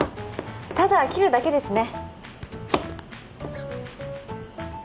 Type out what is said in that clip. ただ切るだけですね